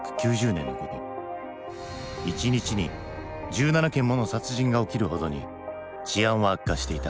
１日に１７件もの殺人が起きるほどに治安は悪化していた。